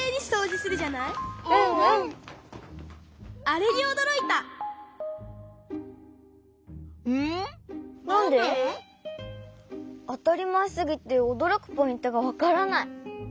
あたりまえすぎておどろくポイントがわからない。